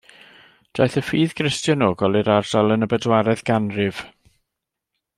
Daeth y ffydd Gristionogol i'r ardal yn y bedwaredd ganrif.